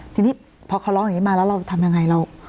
ทีนี้พอเขาร้องอย่างนี้มาแล้วเราทำยังไง